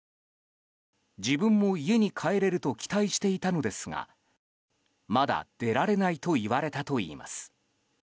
自分も家に帰れると期待していたのですがまだ出られないと言われたといいます。